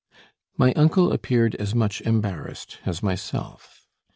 My uncle appeared as much embarrassed as myself.